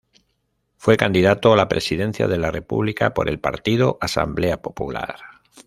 Fue candidato a la Presidencia de la República por el partido Asamblea Popular.